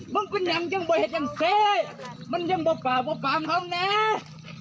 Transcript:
มึงเป็นยังจึงไม่เผ็ดยังเศรษฐ์มึงยังบะป่าบะป่ามเขาเนี่ย